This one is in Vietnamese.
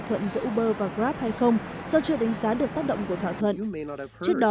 thuận giữa uber và grab hay không do chưa đánh giá được tác động của thỏa thuận trước đó